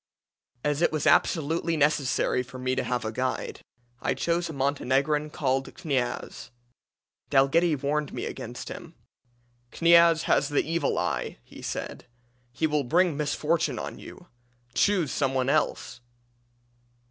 As it was absolutely necessary for me to have a guide, I chose a Montenegrin called Kniaz. Dalghetty warned me against him. 'Kniaz has the evil eye,' he said; 'he will bring misfortune on you. Choose some one else.'